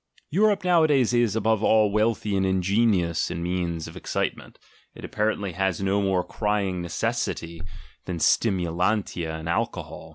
Europe nowadays is, above all, wealthy and ingenious in means of excitement; it apparently has no more crying necessity than stimulantia and alcohol.